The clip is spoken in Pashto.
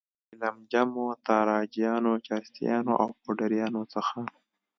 له ګیلم جمو، تاراجیانو، چرسیانو او پوډریانو څخه.